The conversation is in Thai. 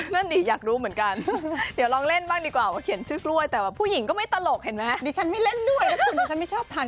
ไม่มีครับ